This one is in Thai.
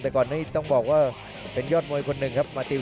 พยายามจะตีจิ๊กเข้าที่ประเภทหน้าขาครับ